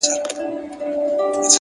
زه يم دا مه وايه چي تا وړي څوك!